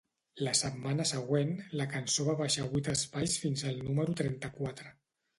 La setmana següent, la cançó va baixar vuit espais fins al número trenta-quatre.